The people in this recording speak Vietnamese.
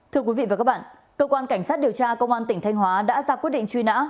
thưa quý vị và các bạn cơ quan cảnh sát điều tra công an tỉnh thanh hóa đã ra quyết định truy nã